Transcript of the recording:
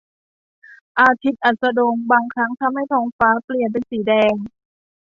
อาทิตย์อัสดงบางครั้งทำให้ท้องฟ้าเปลี่ยนเป็นสีแดง